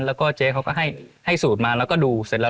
แล้วก็เจ๊เขาก็ให้สูตรมาแล้วก็ดูเสร็จแล้ว